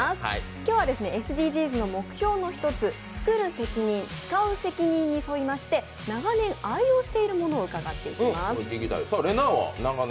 今日はＳＤＧｓの目標の一つ、「つくる責任つかう責任」に沿いまして長年愛用しているものを伺っていきます。